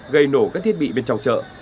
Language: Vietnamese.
gây nổ các thiết bị bên trong chợ